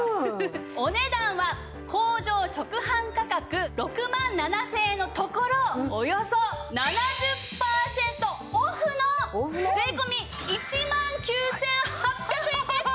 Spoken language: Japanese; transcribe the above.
お値段は工場直販価格６万７０００円のところおよそ７０パーセントオフの税込１万９８００円です。